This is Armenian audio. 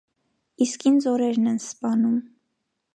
Իսկ ինձ օրերն են սպանում: